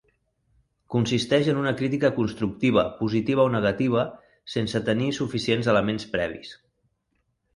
Consisteix en una crítica constructiva positiva o negativa sense tenir suficients elements previs.